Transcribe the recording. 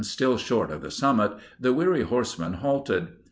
still short of the summit, the weary horsemen halted.